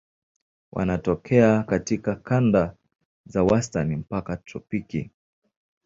Wanatokea katika kanda za wastani mpaka tropiki.